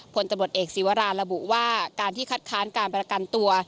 ผลตำรวจเอกศีวราระบุว่าการที่คัดค้านการประกันตัว